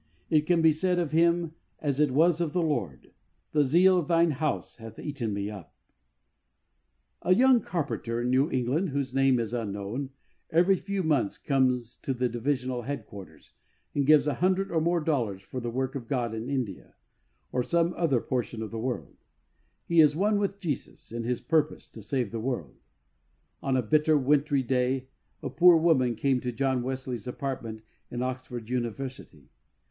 It can be said of him as it was of his Lprd *^The zeal of Thine house hath eaten me up." UNION WITH JESUS. 67 A young carpenter in New England, whose name is unknown, every few months comes to the Divisional Head quarters, and gives a hundred or more dollars for the work of God in India, or some other portion of the world. He is one with Jesus in His purpose to save the world. On a bitter wintry day a poor woman came to John Wesley^s apartment in Oxford University.